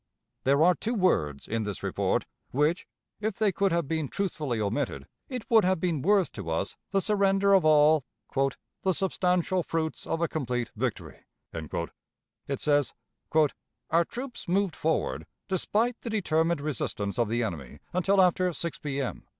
There are two words in this report which, if they could have been truthfully omitted, it would have been worth to us the surrender of all "the substantial fruits of a complete victory." It says: "Our troops moved forward, despite the determined resistance of the enemy, until after 6 P.M.